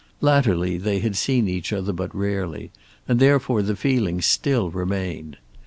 Latterly they had seen each other but rarely, and therefore the feeling still remained.